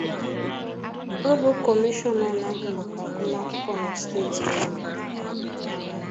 Ọ bụ Kọmishọna na-ahụ maka agụmakwụkwọ na steeti Anambra